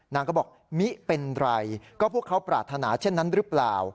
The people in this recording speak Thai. นางก็บอกมิเป็นไรก็พวกเขาปรารถนาเช่นนั้นหรือเปล่า